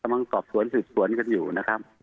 กำลังสอบสวนสืบสวนกันอยู่นะครับ